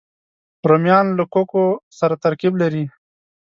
رومیان له کوکو سره ترکیب لري